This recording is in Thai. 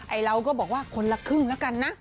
ไอล้วก็บอกว่าคนละครึ่งละกันนะ